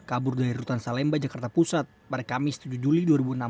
kabur dari rutan salemba jakarta pusat pada kamis tujuh juli dua ribu enam belas